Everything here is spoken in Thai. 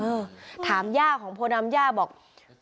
เมื่อวานหลังจากโพดำก็ไม่ได้ออกไปไหน